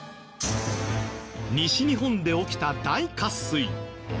西日本で起きた大渇水。